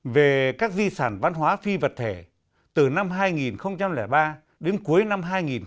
về các di sản văn hóa phi vật thể từ năm hai nghìn ba đến cuối năm hai nghìn một mươi